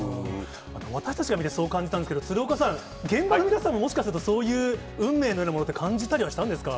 私たちから見て、そう感じたんですけれども、鶴岡さん、現場の皆さんももしかしたら、そういう運命のようなものって、感じたりはしたんですか。